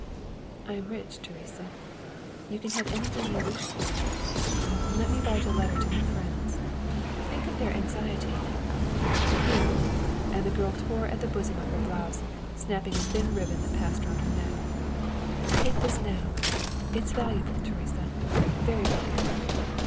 "I am rich, Teresa, you can have anything you wish for. Let me write a letter to my friends. Think of their anxiety. Here," and the girl tore at the bosom of her blouse, snapping a thin ribbon that passed round her neck, "take this now it's valuable, Teresa, very valuable.